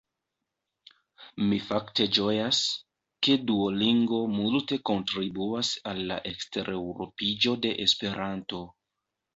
Mi fakte ĝojas, ke Duolingo multe kontribuas al la ekstereŭropiĝo de Esperanto.